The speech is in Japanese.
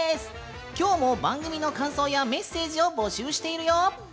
今日も番組の感想やメッセージを募集しているよ。